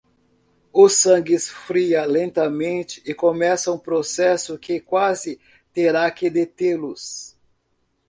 O sangue esfria lentamente e começa um processo que quase terá que detê-los.